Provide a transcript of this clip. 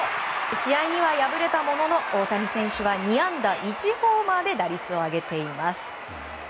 試合には敗れたものの大谷選手は２安打１ホーマーで打率を上げています。